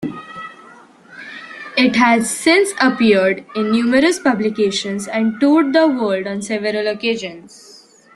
It has since appeared in numerous publications, and toured the world on several occasions.